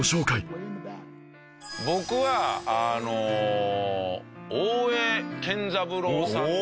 僕はあの大江健三郎さんの。